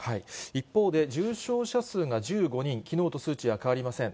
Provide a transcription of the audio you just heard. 一方で、重症者数が１５人、きのうと数値が変わりません。